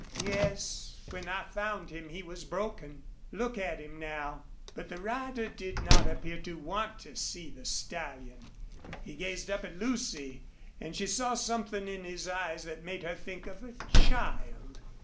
"Yes; when I found him he was broken. Look at him now." But the rider did not appear to want to see the stallion. He gazed up at Lucy, and she saw something in his eyes that made her think of a child.